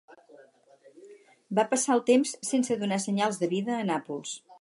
Va passar el temps sense donar senyals de vida a Nàpols.